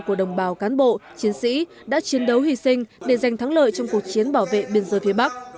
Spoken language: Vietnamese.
của đồng bào cán bộ chiến sĩ đã chiến đấu hy sinh để giành thắng lợi trong cuộc chiến bảo vệ biên giới phía bắc